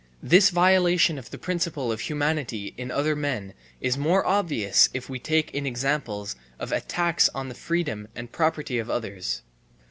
This violation of the principle of humanity in other men is more obvious if we take in examples of attacks on the freedom and property of others.